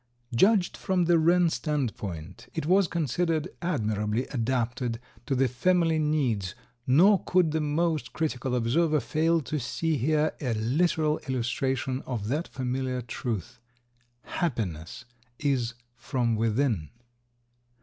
Judged from the wren standpoint, it was considered admirably adapted to the family needs, nor could the most critical observer fail to see here a literal illustration of that familiar truth: Happiness is from within.